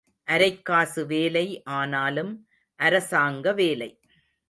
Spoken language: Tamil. அரைக் காசு வேலை ஆனாலும் அரசாங்க வேலை.